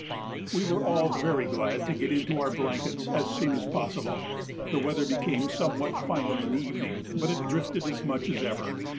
We were all very glad to get into our blankets as soon as possible. The weather became somewhat finer in the evening, but it drifted as much as ever.